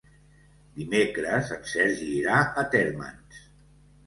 Dimecres en Sergi irà a Térmens.